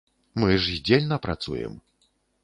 Мы ж здзельна працуем.